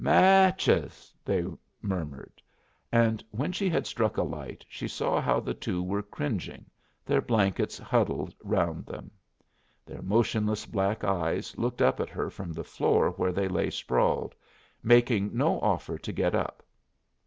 "Match es," they murmured; and when she had struck a light she saw how the two were cringing, their blankets huddled round them. Their motionless black eyes looked up at her from the floor where they lay sprawled, making no offer to get up.